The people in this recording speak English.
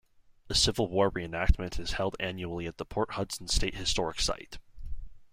A Civil War reenactment is held annually at the Port Hudson State Historic Site.